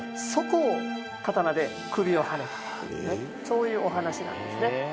そこを刀で首をはねたというそういうお話なんですね。